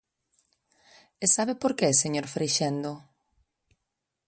¿E sabe por que, señor Freixendo?